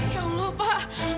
ya allah pak